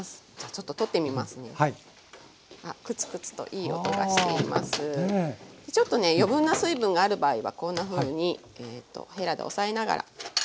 ちょっとね余分な水分がある場合はこんなふうにへらで押さえながら。